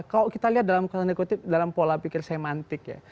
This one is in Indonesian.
kalau kita lihat dalam kata kutip dalam pola pikir semantik ya